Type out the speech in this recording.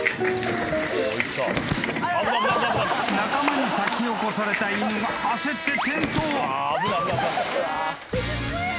［仲間に先を越された犬が焦って］